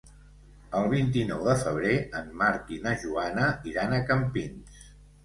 El vint-i-nou de febrer en Marc i na Joana iran a Campins.